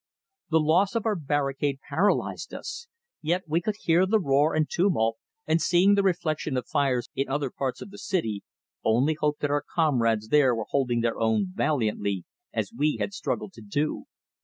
The loss of our barricade paralysed us. Yet we could hear the roar and tumult, and seeing the reflection of fires in other parts of the city, only hoped that our comrades there were holding their own valiantly as we had struggled to do.